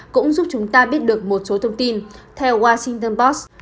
cũng giúp chúng ta biết được một số thông tin theo washington post